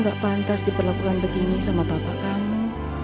gak pantas diperlakukan begini sama bapak kamu